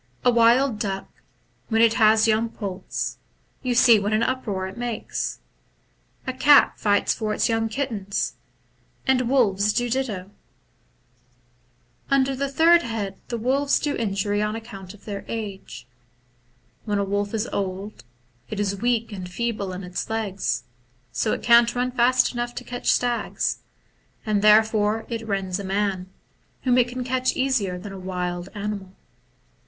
A wild duck, when it has young poults, you see what an uproar it makes. A cat fights for its young kittens ; the wolves do ditto. '' Under the third head, the wolves do injury on 264 THE BOOK OF WERE WOLVES. account of their age. When a wolf is old, it is weak and feeble in its legs, so it can't run fast enough to catch stags, and therefore it rends a man, whom it can catch easier than a wild animal.